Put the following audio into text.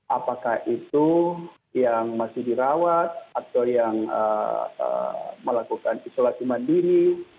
apakah itu yang masih dirawat atau yang melakukan isolasi mandiri